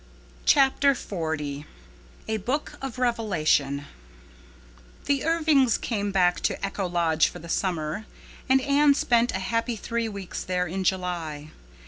Chapter XL A Book of Revelation The Irvings came back to Echo Lodge for the summer, and Anne spent a happy three weeks there in July.